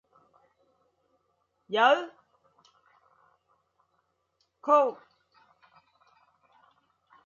Gorham.